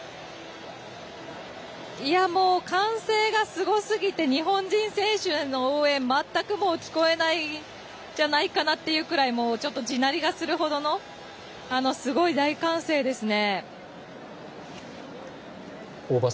もう歓声がすごすぎて日本人選手への応援全く聞こえないんじゃないかなっていうぐらいちょっと地鳴りがするほどの大歓声ですね。